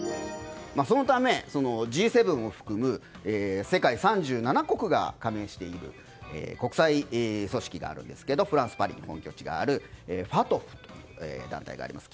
そのため、Ｇ７を含む世界３７か国が加盟している国際組織があるんですがフランス・パリに本拠地があるＦＡＴＦという団体があります。